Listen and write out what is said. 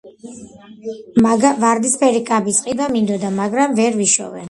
ვარდისფერი კაბის ყიდვა მინდოდა, მაგრამ ვერ ვიშოვე.